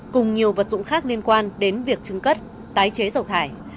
cùng nhiều vật dụng khác liên quan đến việc trứng cất tái chế dầu thải